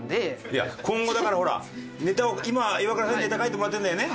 いや今後だからほらネタを今はイワクラさんにネタ書いてもらってるんだよね？